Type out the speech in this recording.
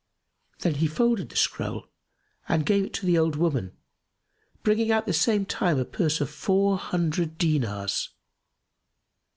Then he folded the scroll and gave it to the old woman, bringing out at the same time a purse of four hundred dinars.